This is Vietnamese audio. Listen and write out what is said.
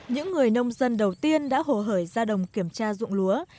những người nông dân đầu tiên đã hồ hởi ra đồng kiểm tra dụng lúa